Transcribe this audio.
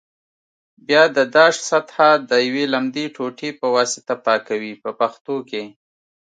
بیا د داش سطحه د یوې لمدې ټوټې په واسطه پاکوي په پښتو کې.